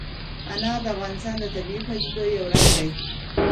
انار د افغانستان د طبیعي پدیدو یو رنګ دی.